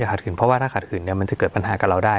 ขัดขืนเพราะว่าถ้าขัดขืนมันจะเกิดปัญหากับเราได้